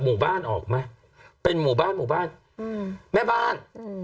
หมู่บ้านออกมาเป็นหมู่บ้านหมู่บ้าน